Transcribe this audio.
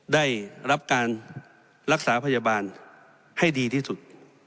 ได้รับการรักษาพยาบาลให้ดีที่สุด